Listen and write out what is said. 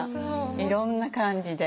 いろんな感じで。